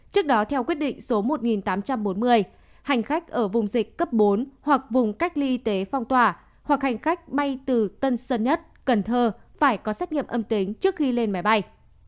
trước đó theo quyết định số một nghìn tám trăm bốn mươi hành khách ở vùng dịch cấp bốn hoặc vùng cách ly y tế phong tỏa hoặc hành khách bay từ tân sơn nhất cần thơ phải có xét nghiệm âm tính trước khi lên máy bay